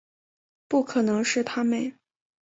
不可能是他们